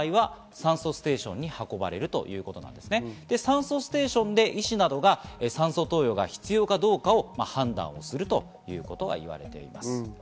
酸素ステーションで医師が酸素投与が必要かを判断するということがいわれています。